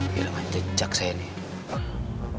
hilang jejak saya nih